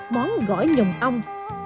món gỏi nhồng ong